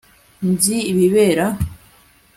Nzi ibibera